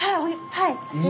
はい。